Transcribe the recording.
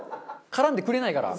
絡んでくれないから。